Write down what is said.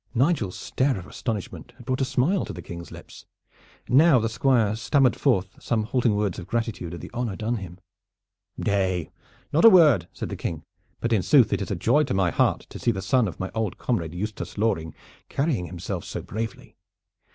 Nigel's stare of astonishment had brought a smile to the King's lips. Now the Squire stammered forth some halting words of gratitude at the honor done to him. "Nay, not a word," said the King. "But in sooth it is a joy to my heart to see the son of my old comrade Eustace Loring carry himself so bravely.